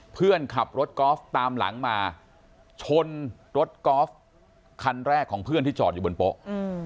เพื่อนขับรถกอล์ฟตามหลังมาชนรถกอล์ฟคันแรกของเพื่อนที่จอดอยู่บนโป๊ะ